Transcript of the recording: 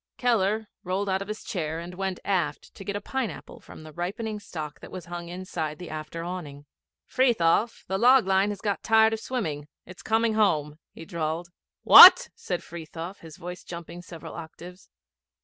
Keller rolled out of his chair and went aft to get a pineapple from the ripening stock that was hung inside the after awning. 'Frithiof, the log line has got tired of swimming. It's coming home,' he drawled. 'What?' said Frithiof, his voice jumping several octaves.